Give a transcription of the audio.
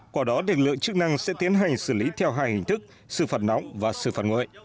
quả đó đường lượng chức năng sẽ tiến hành xử lý theo hai hình thức sự phạt nóng và sự phạt nguội